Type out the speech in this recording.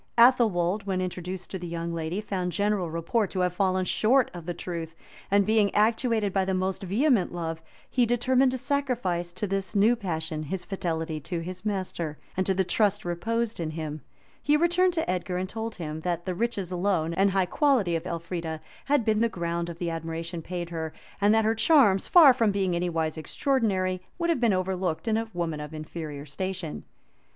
Athelwold, when introduced to the young lady, found general report to have fallen short of the truth; and being actuated by the most vehement love, he determined to sacrifice to this new passion his fidelity to his master, and to the trust reposed in him. He returned to Edgar, and told him, that the riches alone, and high quality of Elfrida, had been the ground of the admiration paid her, and that her charms, far from being any wise extraordinary would have been overlooked in a woman of inferior station.